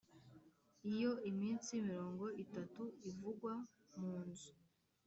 Iyo iminsi mirongo itatu ivugwa mu nzu